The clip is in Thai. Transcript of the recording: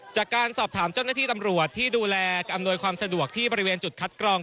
จากการสอบถามเจ้าหน้าที่ตำรวจที่ดูแลอำนวยความสะดวกที่บริเวณจุดคัดกรอง